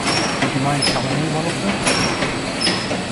Would you mind telling me one of them?